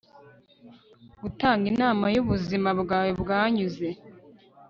gutanga imana yubuzima bwawe bwanyuze